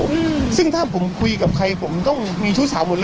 อืมซึ่งถ้าผมคุยกับใครผมต้องมีชู้สาวหมดเลย